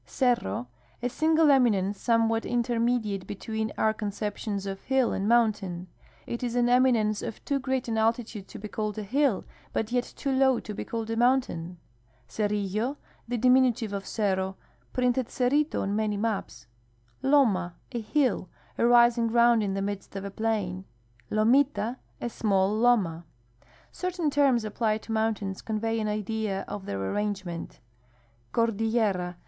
Cerro. — A single eminence, somewhat intermediate between our con ceptions of hill and mountain. It is an eminence of too great an altitude to be called a hill, but yet too low to be called a mountain. Cerrillo. — The diminutive of cerro ; printed cerrito on many maps. Loma. — A hill ; a rising ground in the midst of a plain. Lomita. — A small loma. Certain terms applied to mountains convey an idea of their arrangement : Cordillera.